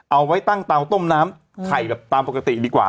เอาไว้ตั้งเตาต้มน้ำไข่แบบตามปกติดีกว่า